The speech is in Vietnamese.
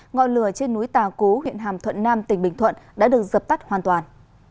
ngọn lửa trên núi tà cú huyện hàm thuận nam tỉnh bình thuận đã được dập tắt hoàn toàn